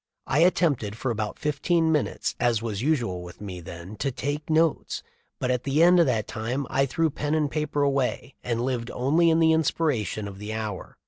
I attempted for about fifteen minutes as was usual with me then to take notes, but at the end of that time I threw pen and paper away and lived only in the inspiration of the hour.